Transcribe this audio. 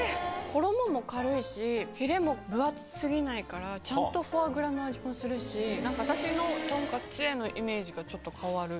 衣も軽いし、ひれも分厚すぎないから、ちゃんとフォアグラの味もするし、なんか私のとんかつへのイメージがちょっと変わる。